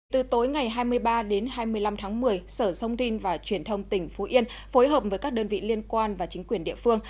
từ tối ngày hai mươi ba đến hai mươi năm tháng một mươi sở sông rin và truyền thông tỉnh phú yên phối hợp với các đơn vị liên quan và chính quyền địa phương